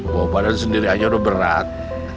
bawa badan sendiri aja udah berat